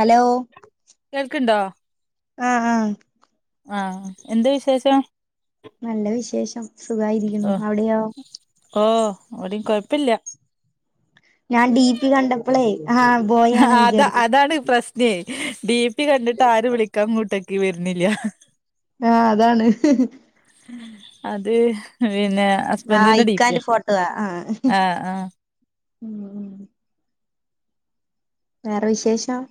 Hello കേൾക്ണ്ടോ ആ ആ ആഹ എന്ത് വിശേഷം നല്ല വിശേഷം സുഖായിരിക്കുന്നു ഹ് അവിടെയോ ഓ അഡി കൊയപ്പല്ല പ്പില്ല ഞാൻ ഡി പി കണ്ടപ്പളെ അത അതാണ് പ്രശ്നേ ഡീ പ്പി കണ്ടിട്ട് ആര് വിളിക്കാം അങ്ങോട്ട് ക്ക് വരണില്ല്യ ആ അതാണ് അതെ പിന്നെ ആഹ് ഹസ്ബഡിന്റെ ഡി പിയാ ഇക്കാന്റെ ഫോട്ടോവാ ആഹ് ആ ആ ഉം ഉം വേറെ വിശേഷം?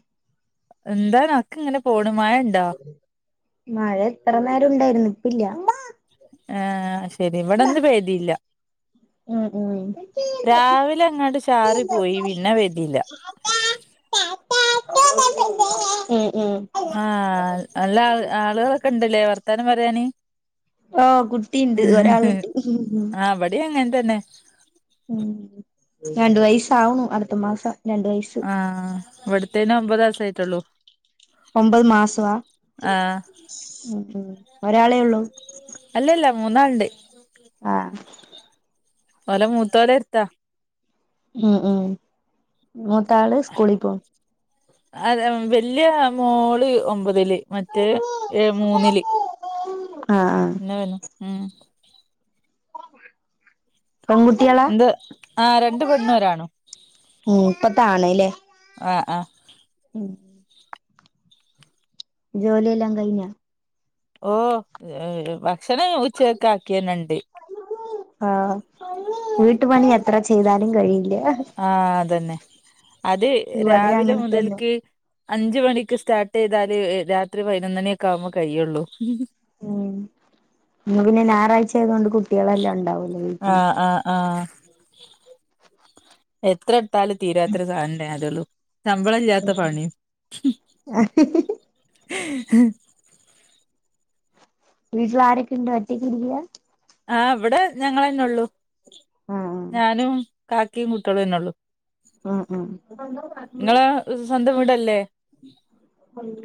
എന്താണ്‌ ക്ക് ഇങ്ങനെ പോണു. മഴ ഉണ്ടോ? മഴ എത്ര നേരം ഉണ്ടായിരുന്നു ഇപ്പില്ല ഉം ആ ശരി ഇവിടിന്ന് പെയ്തില്ല. ഉം ഉം രാവിലെ അങ്ങാട്ട് ചാറി പോയി പിന്നെ പെയ്തില്ല ഉം ആ നല്ല ആള് ആളുകളൊക്കെണ്ടല്ലേ വർ ത്താനം പറയാന്. ഓ കുട്ടിയുണ്ട് ഒരാളുണ്ട്. ആഹ് ഇവടിം അങ്ങൻ തന്നെ. ഉം രണ്ട് വയസാവണൂ അടുത്ത മാസം. രണ്ട് വയസ് ആഹ് ഇവിട്ത്തേന് ഒമ്പത് ദിവസായിട്ടുള്ളൂ ഒമ്പത് മാസവാ ആഹ് ഒരാളേ ഉള്ളൂ അല്ലല്ല മൂന്നാള്ണ്ട് ആ ഓലെ മൂത്തോലെട്ത്താ ഉം ഉം മൂത്താള് സ്കൂളി പോവും അതെ വല്യ മോളെ ഒമ്പതില് മറ്റേ ഏ മൂന്നില് ആഹ് ആഹ് ഇന്ന വന്നു ഉം പെൺകുട്ടികളാ എന്ത് ആ രണ്ടു പെണ്ണും ഒരാണും. ഇപ്പത്തെ ആണ് ലേ. ആഹ് ആഹ് ജോലിയെല്ലാം കഴിഞ്ഞാ ഓഹ് [unintelligible] ക്ഷനേ ഉച്ചക്കാക്കിയന്നെണ്ട്. ആഹ് വീട്ടു പണി എത്ര ചെയ്താലും കഴിയില്ല. ആഹ് അതന്നെ അത് ഇവിടെ രാവിലെ അങ്ങനെ തന്നെ മുതൽക്കേ അഞ്ചു മണിക്ക് സ്റ്റാർട്ട് ചെയ്താലെ രാത്രി പതിനൊന്നണിയൊക്കെ ആവുമ്പോ കഴിയുള്ളൂ. ഉം ഇന്ന് പിന്നെ ഞായറാഴ്ച ആയതോണ്ട് കുട്ടെളെല്ലാം ഉണ്ടാവുല്ലോ ആ വീട്ടില്. ആ ആ എത്ര ത്താല് തീരാതൊരു സാനെ അതേള്ളൂ ശമ്പള ഇല്ലാത്ത പണി ഹും വീട്ടില് ആരൊക്കെണ്ട് ഒറ്റക്കിരിക്കാ ആ വ്ടെ ഞങ്ങളന്നെള്ളൂ. ആഹ് ഞാനും കാക്കിം കുട്ടേളെന്നെള്ളൂ. ഉം ഉം ല്ലേ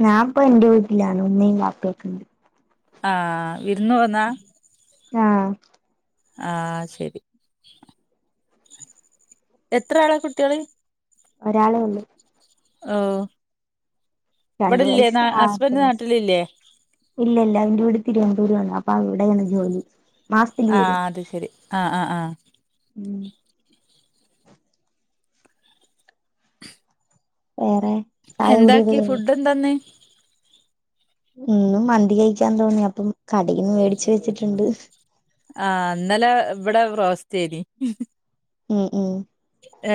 ഞാപ്പം ഇന്റെ വി ട്ടിലാണ് ഉമ്മീം വാപ്പയൊക്കണ്ട്. ആ വിര്ന്ന് പോന്നാ? ആഹ് ആ ശരി എത്ര ആള കുട്ടെള്. ഒരാളെ ഒള്ളു ഓ.. രണ്ടു ഇവിടില്ലേ വയസ്സ് ഹസ്ബൻഡ് ആത്തമിസ് നാട്ടിലില്ലേ ഇല്ലില്ല ന്റെ വീട് തിരിവ ദുരാണ് അപ്പാവിടെണ് ജോലി. മാസത്തില് വരും ആഹ് അത് ശരി ആഹ് ആഹ് ആഹ് ഉം വേറെ ചായ കുടിയൊക്കെ എന്താക്കി കഴിഞ്ഞോ ഫുഡ് എന്താന്ന് ഇന്നും മന്തി കഴിക്കാൻ തോന്നി അപ്പം കടേന്ന് മേടിച്ചു വെച്ചിട്ടുണ്ട് ആഹ് ഇന്നലെ ഇവിടെ റോസ്റ്റേന് ഉം ഉം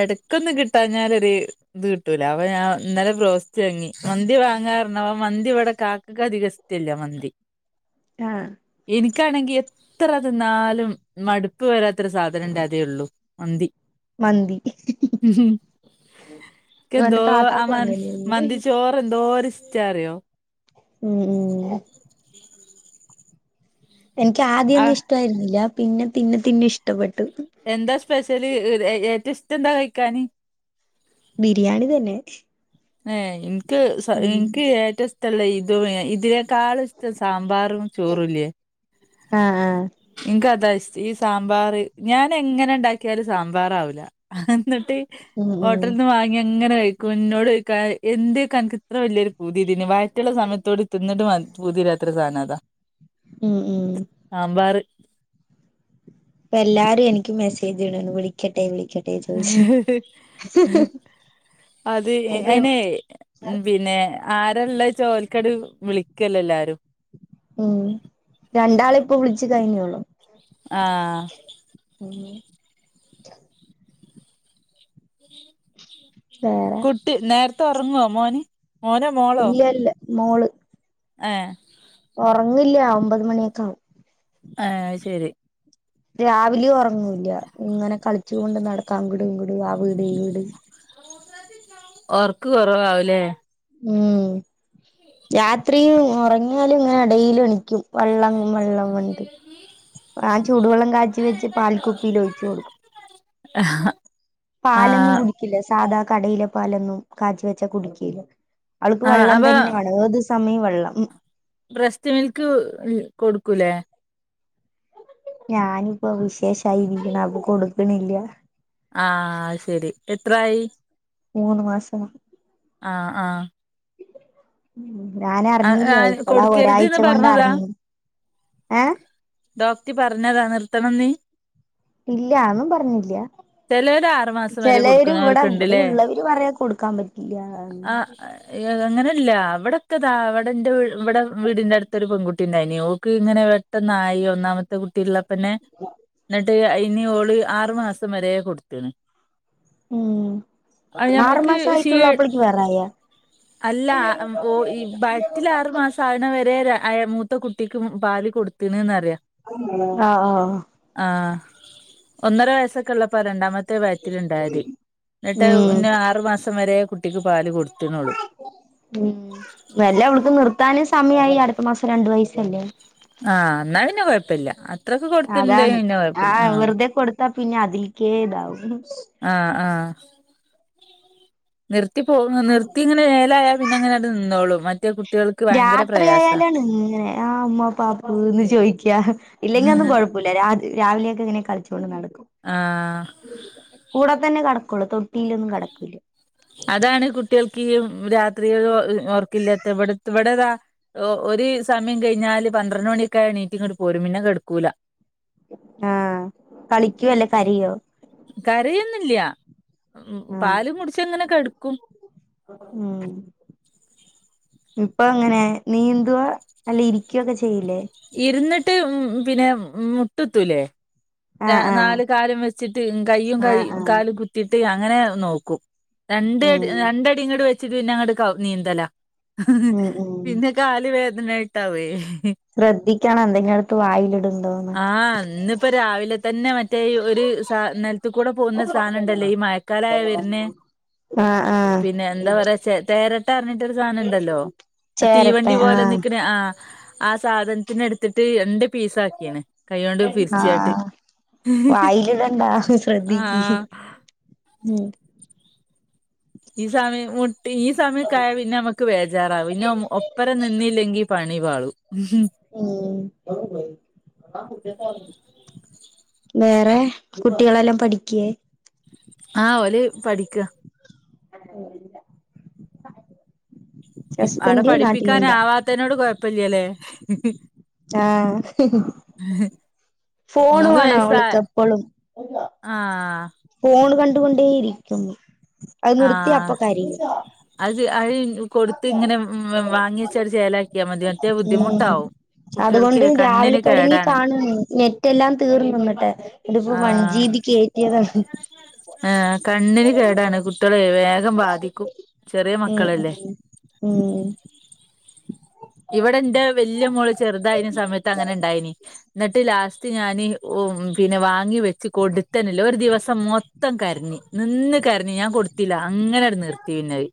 എടക്കൊന്നും കിട്ടാഞ്ഞാലൊരേ ഇത് കിട്ടൂല അപ്പം ഞാൻ ഇന്നലെ ബ്രോസ്റ്റ് വാങ്ങി മന്തി വാങ്ങാർന്നപ്പം മന്തി ഇവിടെ കാക്കക്ക് അധികം ഇഷ്ടല്ല മന്തി ആഹ് എനിക്കാണെങ്കി എത്ര അത് തിന്നാലും മടുപ്പ് വരാത്ത ഒരു സാധനം ഉണ്ട് അതേ ഉള്ളു മന്തി മന്തി ഇവന്റെ ക്കെന്തോ ആഹ് താത്താക്കും മ അങ്ങനെയായിരുന്നു മന്തി ചോറെന്തോരി ഷ്ടാറിയോ. ഉം ഉം ഉം ആ എനിക്കാദ്യോന്നും ഇഷ്ടായിരുന്നില്ല. പിന്നെ പിന്നെ പിന്നെ ഇഷ്ടപ്പെട്ടു. എന്താ സ്പെഷ്യല്? ഇഹ് ഏഹ് ഏറ്റോം ഇഷ്ടം എന്താ കഴിക്കാന്? ബിരിയാണി തന്നെ ഹ് ഏ ഇൻ ക്ക് ഇൻക് ഏറ്റം ഇസ് - [unintelligible] ഇഷ്ടല്ല ഇത് ഇതിനേക്കാളും ഇഷ്ടം സാമ്പാറും ചോറുംല്ലേ? ആഹ! ആഹ! ഇക്കത ഇഷ്ടം, ഈ സാമ്പാറ് ഞാൻ എങ്ങനെ ഉണ്ടാക്കിയാലും ഇ സാമ്പാറാവൂല ഹിഹി എന്നിട്ട് ഉം ഉം ഹോട്ടൽന്ന് വാങ്ങി. ഇങ്ങനെ കയിക്കും ന്നോട് ചോയ്ക്കും എന്തേ പ്പം അനക്ക് ഇത്ര വല്ല്യോരു പൂതിയിതിന് വയറ്റ് ള്ളെ സമയത്തും കൂടി തിന്നിട്ടു പൂതി തീരാത്ത ഒരു സാധനം അതാ ഉം ഉം സാമ്പാറ് ഇപ്പം എല്ലാരും എനിക്ക് മെസ്സേജ് ഇടാണ് വിളിക്കട്ടെ വിളി - ഹ് ഹ് ഹിഹി ഹ് അത് അയിനെ പിന്നെ, ആരാ ള്ളേച്ചാ ഓല്കട് വിളിക്കല്ലെ എല്ലാരും ഉം. രണ്ടാള് ഇപ്പൊ വിളിച്ചു കഴിഞ്ഞൊള്ളു. ആഹ... ഉ വേറെ [inaudible] കുട്ടി നേര് ത്തെ ഉറങ്ങോ മോന്? മോനോ? മോളോ? ഇല്ല ഇല്ല മോള് ഏ ഉറങ്ങിയില്ല ഒമ്പത് മണിയൊക്കെ ആവും. ഏ അത് ശരി രാവിലെയും ഉറക്ക ല്ല ഇങ്ങനെ കളി ച്ചു കൊണ്ട് നടക്കാം അങ്ങടും ഇങ്ങടും ആ വീട് ഈ വീട് ഒർക്ക് കൊറവാവൂലേ? ഉം രാത്രിയും ഉറങ്ങിയാലും ഇങ്ങനെ ഇടയിൽ എണീ ക്കും വള്ളം വള്ളം ന്ന് പറഞ്ഞിട്ട് ആ ചൂടുവെള്ളം കാച്ചി വെച്ചി ട്ട് പൽക്കുപ്പീലോയ്ച്ചു കൊടുക്കും. അ അഹ് ഹ പാലൊന്നും കുടിക്കില്ല സാധാ കടയിലെ പാലൊന്നും കാച്ച് വെച്ചാ കുടിക്കില അവൾക്ക് ആഹ് വെള്ളം അപ്പ തന്നെ വേണം ഏത് സ് സമയ വെള്ളം ബ്രസ്റ്റ് മിൽക്ക് കൊടുക്കൂലേ ഞാനിപ്പോ വിശേഷായിരിക്ക്ണ അപ്പൊ കൊടുക്കണില്ല ആഹ് ശരി എത്രായി മൂന്ന് മാസം ആഹ ആഹ [inaudible] ഞാനറിഞ്ഞില്ല ആഹ് ഇപ്പോളാ ഒരാഴ്ച കൊടുക്കരുത്ന്ന് കൊണ്ട് പറഞ്ഞതാ അറിഞ്ഞി ഏ ത്തണം ന്ന് ഇല്ല ആന്നും പറഞ്ഞില്ല ചെലോര് ആറ് മാസം വരെ ചെലവര് ഇവിടെ കൊടുക്കണോര്ക്ക്ണ്ട്ല്ലേ ഇവിടെള്ളവര് പറയാ കൊടുക്കാൻ പറ്റില്ല ഇവടെ ഇ അവിടന്റെ ഇവിടെ വീടിന്റെ അടുത്തൊരു പെൺകുട്ടി ഉണ്ടായിനി ഓക്ക് ഇങ്ങനെ പെട്ടെന്നായി ഒന്നാമത്തെ കുട്ടിള്ള പിന്നെ ന്നിട്ട് അ ഇനി ഓള് ആറു മാസം വരെ കൊടുത്ത്ണ് ഉം അത് ഞമ്മക്ക് ആറുമാസ ക്ഷീ ആയിട്ടുള്ള അപ്പൾ ക്ക് വേറെ യാ വയറ്റിലാ ആറു മാസ ആ മൂത്ത കുട്ടിക്ക് പാല് കൊടുത്ത്ണ് ആഹ ആഹ ആ ഒന്നര വയസ്സൊക്കെ ഇള്ളപ്പ രണ്ടാമത്തെ വയറ്റിലുണ്ടായത്. ന്നിട്ട് ഉം ഇന്ന ആറു മാസം വരെ കുട്ടിക്ക് പാല് കൊടു ഉം നല്ല അവൾക്ക് നിർത്ത ത്താനും സമയമായി അടുത്ത മാസം രണ്ടു വയസ്സല്ലേ ആഹ എന്നാ പിന്നെ കൊഴപ്പില്ല അത്രൊക്കെ കൊടുത്തിന്ത അതാണ് പിന്നെ കൊഴപ്പില്ല ആഹ് ആഹ വെറുതെ കൊടുത്താ പിന്നെ അതിൽക്കേ ഇതാവും ആഹ ആഹ നിർ പോ നിർത്തി ഇങ്ങെ ഏലായ പിന്നെ അങ്ങനെ അത് നിന്നോളും മറ്റേ കു രാത്രിയാലാണ്ങ്ങന ആ അമ്മ പാപ്പ് എന്ന് ചോദിക്കാ ഇല്ലെങ്കി ഒന്നും കൊഴപ്പല്ല രാത് രാവിലെയൊക്കെ ഇങ്ങനെ കളിച്ചോണ്ട് നട ആ അ തന്നെ കടക്കുള്ളൂ തൊട്ടീ ലൊന്നും കടക്കൂല്ല അതാണ് കുട്ട്യാൾക്കീ രാത്രി ഒ ർക്കില്ലാത്ത ഇവിടെ ഇവിടതാ ഒരു സമയം കഴിഞ്ഞാല് പന്ത്രണ്ട് മണിയൊക്കെ ആണീറ്റിങ്ങോട്ട് പോരും പിന്നെ കെടക്കൂല ആഹ കളിക്കുവ അല്ലേ കരയോ കരയു ന്നില്ല ഉം പാ ആഹ് മുടി പ എങ്ങനെ കടക്കും ഉം ഇപ്പൊ അങ്ങനെ നീന്തുകോ അല്ല ഇരിക്കയൊക്കെ ഇരുന്ന് ട്ട് പിന്നെ മുട്ടുത്തുലേ ആഹ് [unintelligible] ആഹ് നാല് കാലും വെച്ചിട്ട് കയ്യും കൈ ആഹ് ആഹ് കാലും കുത്തിട്ട ട്ട് അങ്ങനെ നോക്കും രണ്ട്ടി ഉം രണ്ടടി ഇങ്ങട് വെ ന്ന ഞ ടു കൗ നീന്തല ഉം ഉം പിന്നെ കാല് വേ [unintelligible] യിട്ടാവേ ശ്രദ്ധിക്കണം എന്തെങ്കിലുട്ത്ത് വായിലിടുണ്ടോന്നൊക്കെ ആഹ് ഇന്നിപ്പോ രാവിലെ തന്നെ മറ്റേ ഈ ഒരു സാ നൽത്കൂടെ പോവുന്ന സാനുണ്ടല്ലേ ഈ മഴക്കാലായവര്ന ആഹ് ആഹ് പിന്നെ ന്താ പറാ തേരട്ടാന്ന് പറനിട്ട്ഒരു സാനംണ്ടല്ലോ തീവണ്ടി ചേരട്ടെ പോലെ ആഹ് നിക്ണ ആ ആ സാധനത്തിനെ ട്ത്തിട്ട് എന്ത് പീസാക്കിണ് കൈയ്യോണ്ട് പിരിച്യാട്ട് ആഹ് വായിലിടണ്ടാ ശ്രദ്ധികി ആഹ് മ് ഈ സമയം മുട്ടി ഈ സമയക്കായാ പിന്നെമ്മക്ക് വേജാറാവും പിന്നം ഒപ്പരം നിന്നില്ലെങ്കിൽ പണി വാളു ഉം [inaudible] വേറെ കുട്ടികളെല്ലാം പഠിക്യേ ആ ഓല് പഠി [unintelligible] ഇ അടെ ഹസ്ബൻഡ് നാട്ടിലുണ്ടാ പഠിപ്പിക്കാനാവാത്തേനോട് കൊ പ്പില്ലല്ലേ ആ ഹ് ഹ് ഫോൺ മൂന്ന് വേണാ വയസ്സ അവൾക്ക്പ്പളും ആഹ് ഫോൺ ക കൊണ്ടേയിരിക്കുന്നു അത് നിർത്തിയ അപ്പൊ കരയും അയി ചേലാക്കിയാ മതി മറ്റേ മ് ബുദ്ധിമുട്ടാവും കുട്ടികൾക്ക് അതുകൊണ്ട് രാവില കണ്ണിന് തൊടങ്ങി കേടാണ് കാണണ് നെറ്റെല്ലാം തീർന്ന് ന്നിട്ട് ഇന്നിട്ട്പ്പോ വൺ ജീബി കേറ്റിയതാണ് ആഹ് കണ്ണിന് കേടാണ് കു വിവേകം ബാധിക്കും ചെറിയ ഉം മക്കളല്ലേ ഉം ഇവിടെ എന്റെ വല്ല്യ മോൾ ചെറുതായിന സമയത്ത് അങ്ങനെണ്ടായിനി ന്നിട്ട് ലാസ്റ്റ് ത്ത് ഞാൻ ഓം പിന്നെ വാങ്ങി വെച്ച് കൊടുത്തനില്ല ഒരു ദിവസം മൊത്തം കരഞ്ഞ് നിന്ന് കരഞ്ഞ് ഞാൻ കൊട് തില്ല അങ്ങനെ നിർത്തി പിന്നെഅയ്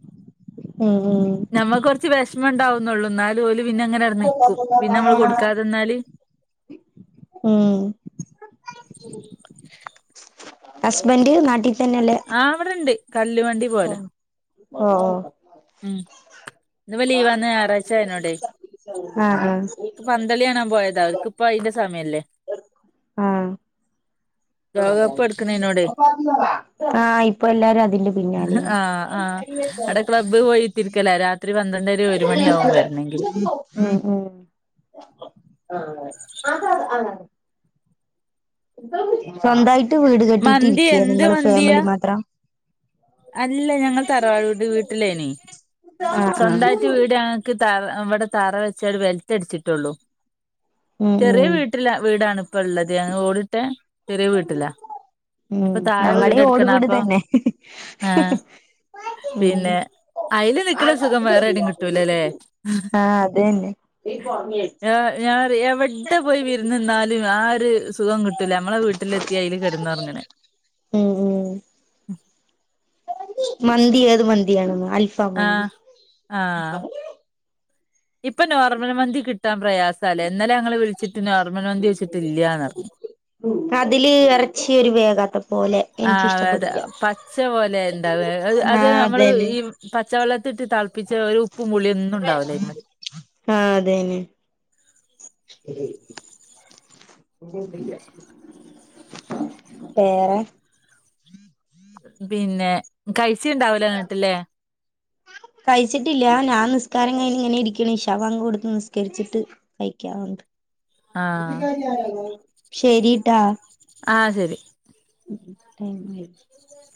ഉം ഉം നമ്മക്ക് കുറച്ച് വിഷമം ഉണ്ടാവും നെള്ളു ഇന്നാലും ഓല് പിന്നെ അങ്ങനെ അവിടെ നിക്കും പിന്നെ നമ്മള് കൊടുക്കനിന്നാല് ഉം ഹസ്ബൻഡ് നാട്ടിൽ തന്നെയല്ലേ ആ ഇവിടെണ്ട് കല്ലുവണ്ടി പോവലാ ഓഹ് ഓഹ് ഉം ഇന്ന് ലീവന്ന് ഞായറാഴ്ചആയതോണ്ടേ ആഹ് പന്തല് കാണാൻ പോയത അവർക്കിപ്പം അയിന്റെ സമയല്ലേ ലോകകപ്പ് എടുക്കണേനോടെ ആ ഇപ്പൊ എല്ലാരും അതിന്റെ പിന്നാലെയാണ് ബ് പോയിത്തിരിക്കലാ രാത്രി പന്ത്രണ്ടര ഒരുമണിയാകും വെരണോങ്കില്- ഉം ഉം സ്വന്തായി- വീട് കെട്ടിയിട്ട് മന്തി ഇരിക്കയാ എന്ത് നിങ്ങള് മന്തിയാ ഫാമിലി മാത്രം അല്ല ഞങ്ങ തറവാട് വീട്ടിലേനി ആഹ് ആഹ് സ്വന്തായിട്ട് വീട്‌ ഞാങ്ങക്ക്- തറ ഇവിടെ തറ വെച്ച ഒരു ബെൽറ്റ് അടിച്ചിട്ടെള്ളൂ ഉം ചെറിയ ഉം വീട്ടില വീടാണ്- പ്പള്ളത് ഞങ്ങ ഓടിട്ടെ- ഉം ഞങ്ങടേ ഓട് എടുക്കണം വീട് അപ്പൊ തന്നെ- ആഹ് ഉം പിന്നെ അയില് നിക്ക്ണ സുഖം വേറെ ഏടെ കിട്ടൂലല്ലേ ആഹ് അതന്നെ ഞാ ഞാൻ എവിടെ പോയി വിരുന്ന് നിന്നാലും- ത് സുഖം കിട്ടൂല നമ്മളെ വീട്ടിലെത്തി അതിൽ കിടുന്ന്റങ്ങനെ- ഉം ഉം മന്തി അത് മന്തിയാണ് ആഹ് അൽഫാമന്തി- ആഹ് ഇപ്പൊ നോർമൽ മന്തി കിട്ടാൻ പ്രയാസ അല്ലേ ഇന്നലെ ഞങ്ങള് വിളിച്ചിട്ട് നോർമൽ മന്തി ചോയിച്ചിട്ട് ഇല്ലൃന്ന്റിഞ്ഞു- അതില് ഇറച്ചി ഒരു വേകാത്ത പോലെ ആതെ എനിക്കിഷ്ടപ്പെടില്ല പച്ച പോലെ ഉണ്ടാവ അത് ആഹ് നമ്മള് അതന്നെ ഈ പച്ചവെള്ള ത്തിട്ട് തളപ്പിച്ച ഒരു ഉപ്പ് പുളിയൊന്നും ഉണ്ടാവില ഈ മ വെറെ പിന്നെ- കഴിച്ച ഇണ്ടാവലോ എന്നിട്ടില്ലേ കയിച്ചിട്ടില്ല ഞാൻ നിസ്കാരം കയിഞ്ഞ് ഇങ്ങനെ ഇരിക്കണ് ഈശാവാങ്ക് കൊടുത്ത് നിസ്കരിച്ചിട്ട് കഴിക്കാവാന്ത്- ആഹ് [unintelligible] ശരി ട്ടാ ആഹ് ശരി- [inaudible]